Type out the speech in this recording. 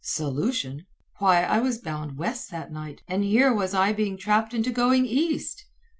Solution! Why I was bound west that night, and here was I being trapped into going east.